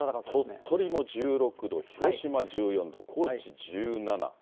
鳥取も１６度、広島１４度、高知１７。